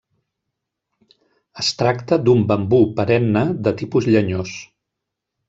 Es tracta d'un bambú perenne de tipus llenyós.